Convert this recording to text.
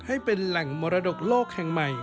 ให้เป็นแหล่งมรดกโลกแห่งใหม่